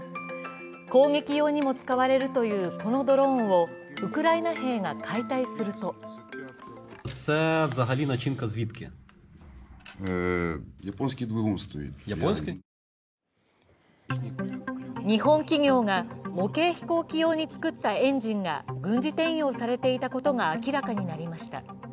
攻撃用にも使われるというこのドローンをウクライナ兵が解体すると日本企業が模型飛行機用に作ったエンジンが軍事転用されていたことが明らかになりました。